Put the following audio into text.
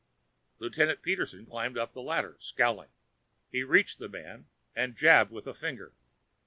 Lieutenant Peterson climbed up the ladder, scowling; he reached the man and jabbed with a finger.